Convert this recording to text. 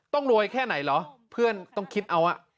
ต้องรวยแค่ไหนเหรอเพื่อนต้องคิดเอา